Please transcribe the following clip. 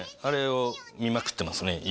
あれを見まくってますね